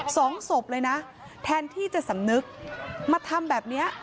สองศพเลยนะแทนที่จะสำนึกมาทำแบบเนี้ย